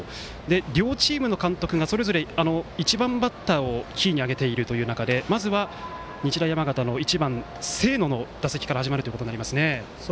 両チームの監督がそれぞれ１番バッターをキーに挙げているという中でまずは日大山形の１番、清野の打席から始まりますね。